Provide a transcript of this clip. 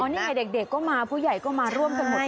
นี่ไงเด็กก็มาผู้ใหญ่ก็มาร่วมกันหมดเลย